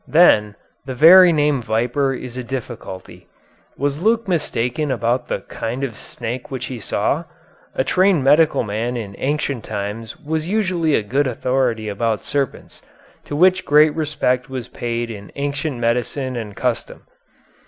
Then, the very name viper is a difficulty. Was Luke mistaken about the kind of snake which he saw? A trained medical man in ancient times was usually a good authority about serpents, to which great respect was paid in ancient medicine and custom.